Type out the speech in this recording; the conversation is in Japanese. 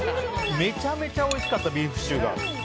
めちゃめちゃおいしかったビーフシチューが。